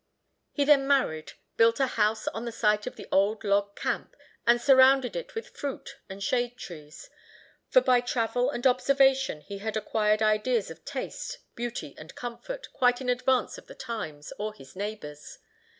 He then married, built a house on the site of the old log camp, and surrounded it with fruit and shade trees, for, by travel and observation, he had acquired ideas of taste, beauty, and comfort, quite in advance of the times, or his neighbors.